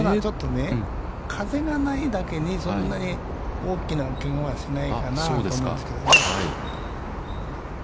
風がないだけに、そんなに大きなけがはしないかなと思うんですけどね。